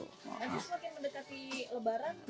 nanti semakin mendekati lebaran